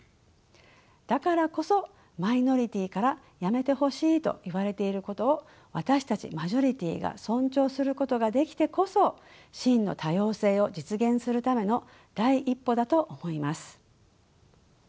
だからこそマイノリティーからやめてほしいと言われていることを私たちマジョリティーが尊重することができてこそ真の多様性を実現するための第一歩だと思います。